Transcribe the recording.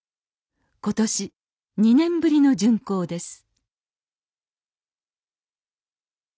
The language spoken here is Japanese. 今年２年ぶりの巡行です